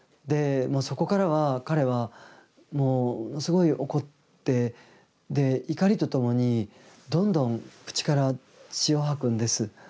そこからは彼はものすごい怒って怒りとともにどんどん口から血を吐くんです。